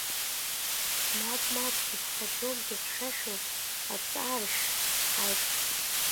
Мап, мап, дыԥхаӡом, дыхьшәашәоуп, аҵааршә аиԥш.